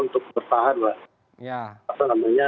untuk bertahan lah